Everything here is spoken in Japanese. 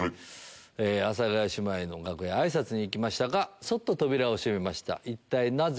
阿佐ヶ谷姉妹の楽屋へあいさつに行きましたがそっと扉を閉めました一体なぜ？